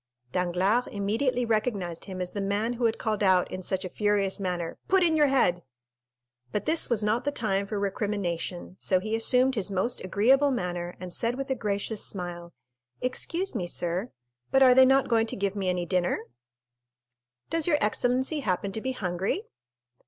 Danglars immediately recognized him as the man who had called out in such a furious manner, "Put in your head!" But this was not the time for recrimination, so he assumed his most agreeable manner and said with a gracious smile: "Excuse me, sir, but are they not going to give me any dinner?" "Does your excellency happen to be hungry?"